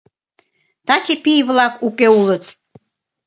Таче пий-влакат уке улыт.